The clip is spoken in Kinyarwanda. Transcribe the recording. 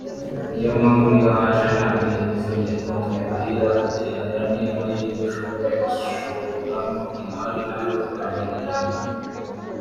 niyo mpamvu niyo haje na rwiyemezamirimo tumubwira tuti aya ni amahirwe ushobora gushoramo imari nawe ukabona inyungu